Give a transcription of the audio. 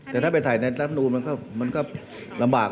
แต่ถ้าไปใส่ในรัฐมนูนมันก็ลำบาก